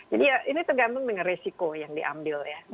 jadi ya ini tergantung dengan resiko yang diambil ya